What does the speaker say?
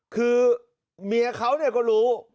คือเมียเขาก็รู้